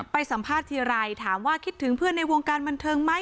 สัมภาษณ์ทีไรถามว่าคิดถึงเพื่อนในวงการบันเทิงไหม